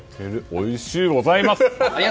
おいしゅうございます。